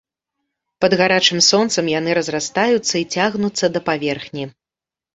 Пад гарачым сонцам яны разрастаюцца і цягнуцца да паверхні.